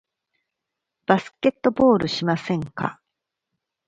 バスケットボールしませんか？